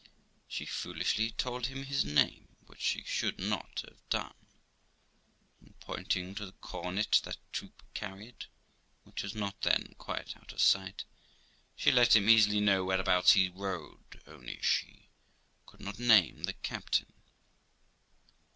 She foolishly told him his name, which she should not have done; and pointing to the cornet that troop carried, which was not then quite out of sight, she let him easily know whereabouts he rode, only she could not name the captain.